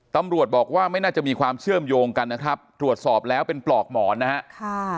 ตำรวจบอกว่าไม่น่าจะมีความเชื่อมโยงกันนะครับตรวจสอบแล้วเป็นปลอกหมอนนะฮะ